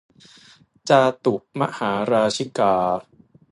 จาตุมหาราชิกา